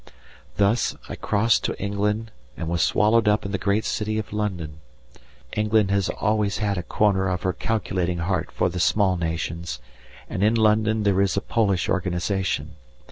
Thus, I crossed to England and was swallowed up in the great city of London. England has always had a corner of her calculating heart for the small nations, and in London there is a Polish organization.